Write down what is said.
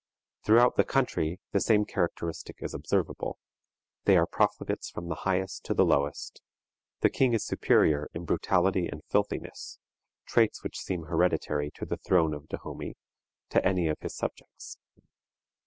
Throughout the country the same characteristic is observable; they are profligates from the highest to the lowest. The king is superior in brutality and filthiness (traits which seem hereditary to the throne of Dahomey) to any of his subjects.